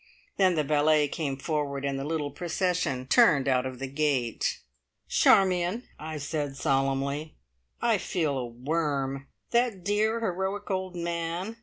Then the valet came forward, and the little procession turned out of the gate. "Charmion," I said solemnly, "I feel a worm. That dear, heroic old man!